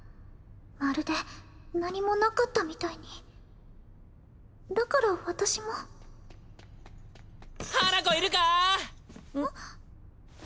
まるで何もなかったみたいにだから私も花子いるか？